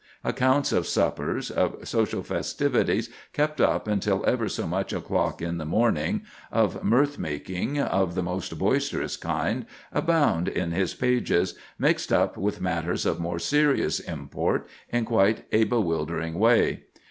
Accounts of suppers, of social festivities kept up until ever so much o'clock in the morning, of mirthmaking of the most boisterous kind, abound in his pages, mixed up with matters of more serious import in quite a bewildering way.